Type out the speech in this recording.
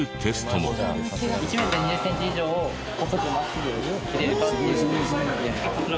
１メートル２０センチ以上細く真っすぐ切れるかっていう。